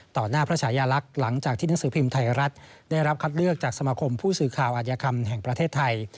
หน้าพระชายาลักษณ์หลังจากที่หนังสือพิมพ์ไทยรัฐได้รับคัดเลือกจากสมาคมผู้สื่อข่าวอัธยกรรมแห่งประเทศไทย